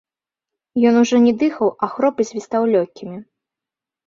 Ён ужо не дыхаў, а хроп і свістаў лёгкімі.